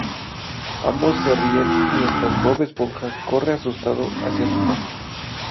Ambos se ríen mientras Bob Esponja corre asustado hacia su casa.